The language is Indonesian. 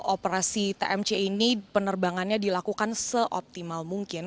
operasi tmc ini penerbangannya dilakukan seoptimal mungkin